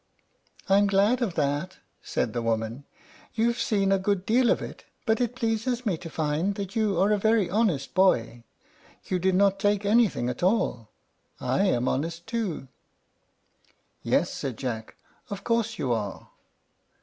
"I'm glad of that," said the woman. "You've seen a good deal of it; but it pleases me to find that you are a very honest boy. You did not take anything at all. I am honest too." "Yes," said Jack, "of course you are."